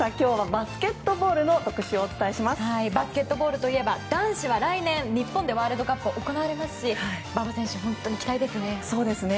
バスケットボールといえば男子は来年、日本でワールドカップが行われますし馬場選手、本当に期待ですね。